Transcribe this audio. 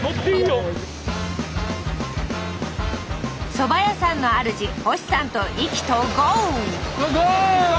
そば屋さんのあるじ星さんと意気投合！